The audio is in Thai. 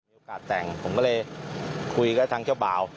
โอกาสแต่งผมก็เลยคุยกับทางเจ้าบ่าว